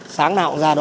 sáng nào cũng ra đo